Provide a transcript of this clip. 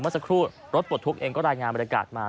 เมื่อสักครู่รถปวดทุกข์เองก็รายงานบริการมา